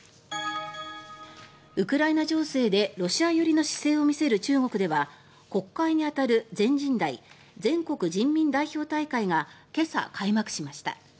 ウクライナ情勢でロシア寄りの姿勢を見せる中国では国会に当たる全人代・全国人民代表大会が今朝、開幕しました。